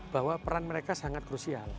bahwa peran mereka sangat krusial